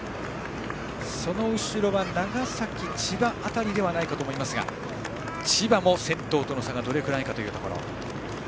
その後ろは長崎、千葉辺りではないかと思いますが千葉も先頭との差がどれくらいか。